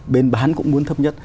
bên bán cũng muốn thấp nhất